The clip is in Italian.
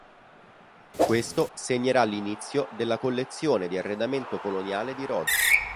Questo segnerà l'inizio della collezione di arredamento coloniale di Rhodes.